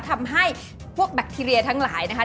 ทำให้พวกแบคทีเรียทั้งหลายนะคะ